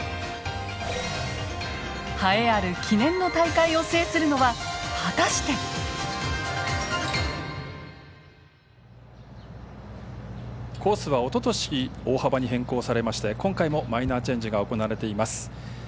栄えある記念の大会を制するのは果たして？コースは、おととし大幅に変更されまして今回もマイナーチェンジが行われています。